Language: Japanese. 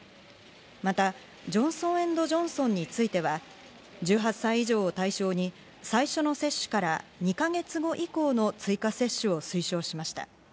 またジョンソン・エンド・ジョンソンについては、１８歳以上を対象に最初の接種から２か月後以降の追加接種を推奨しました。